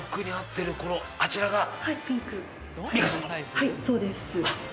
はいそうです。